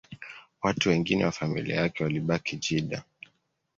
Watu wengine wa familia yake walibaki Jeddah